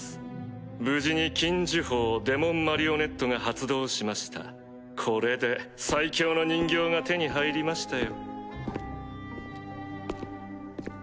無事に禁呪法デモンマリオネットが発これで最強の人形が手に入りましたよ